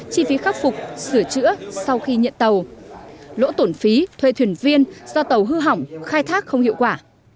chi phí khắc phục sửa chữa sau khi nhận tàu lỗ tổn phí thuê thuyền viên do tàu hư hỏng khai thác không hiệu quả